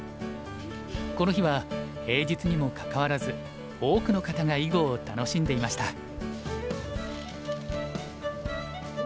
この日は平日にもかかわらず多くの方が囲碁を楽しんでいました。